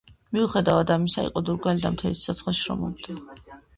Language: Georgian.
მიუხედავად ამისა იყო დურგალი და მთელი სიცოცხლე შრომობდა.